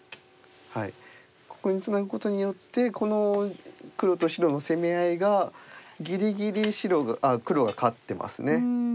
ここにツナぐことによってこの黒と白の攻め合いがぎりぎり黒が勝ってますね。